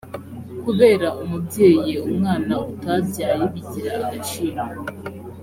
kubera umubyeyi umwana utabyaye bigira agaciro